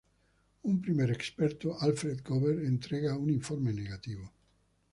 Un primer experto, Alfred Gobert, entrega un informe negativo.